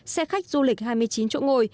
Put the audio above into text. xe khách du lịch hai mươi chín chỗ ngồi